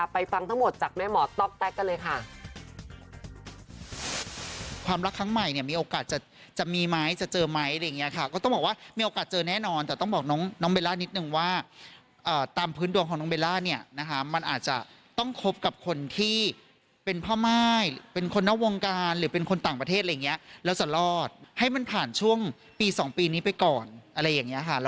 ฟังทั้งหมดจากแม่หมอต๊อกแต๊กกันเลยค่ะ